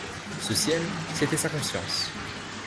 Ce ciel, c’était sa conscience.